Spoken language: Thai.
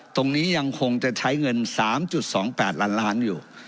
ตรงนี้ยังคงจะใช้เงิน๓๒๘ล้านอยู่